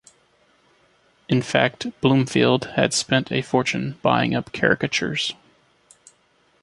In fact Bloomfield had spent a fortune buying up caricatures.